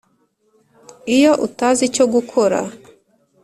iyo utazi icyo gukora.